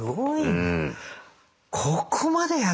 うん。